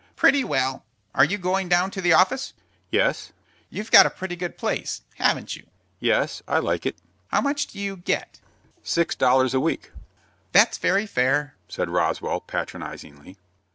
"Pretty well. Are you going down to the office?" "Yes." "You've got a pretty good place, haven't you?" "Yes, I like it." "How much do you get?" "Six dollars a week." "That's very fair," said Roswell, patronizingly.